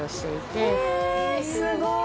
すごい。